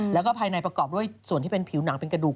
แล้วก็ภายในประกอบด้วยส่วนที่เป็นผิวหนังเป็นกระดูก